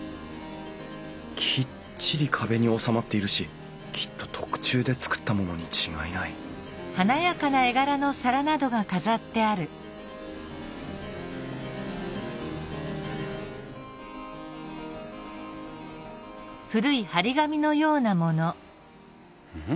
きっちり壁に納まっているしきっと特注で作ったものに違いないん？